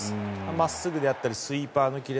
真っすぐであったりスイーパーのキレ。